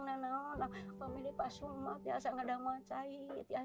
kalau ini pasung imas selalu menggigil